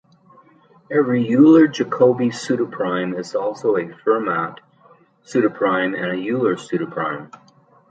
Every Euler-Jacobi pseudoprime is also a Fermat pseudoprime and an Euler pseudoprime.